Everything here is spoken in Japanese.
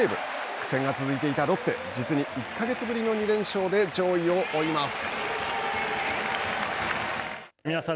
苦戦が続いていたロッテ実に１か月ぶりの２連勝で上位を追います。